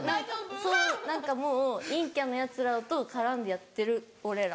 そうです何かもう陰キャのヤツらと絡んでやってる俺ら。